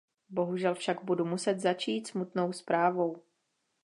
Bohužel však budu muset začít smutnou zprávou.